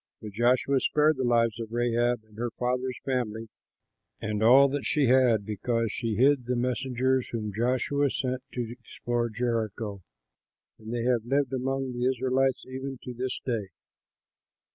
But Joshua spared the lives of Rahab and her father's family and all that she had, because she hid the messengers whom Joshua sent to explore Jericho; and they have lived among the Israelites even to this day.